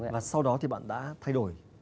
và sau đó thì bạn đã thay đổi